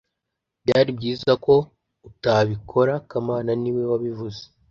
Byari byiza ko utabikora kamana niwe wabivuze